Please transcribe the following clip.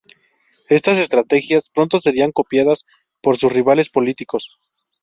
Estas estrategias pronto serían copiadas por sus rivales políticos.